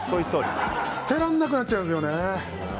捨てられなくなっちゃうんですよ。